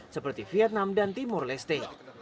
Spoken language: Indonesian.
seperti vietnam dan timur leste